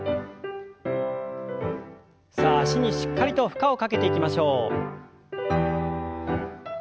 さあ脚にしっかりと負荷をかけていきましょう。